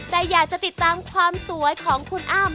แต่อยากจะติดตามความสวยของคุณอ้ำ